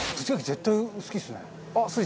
絶対好きっすね。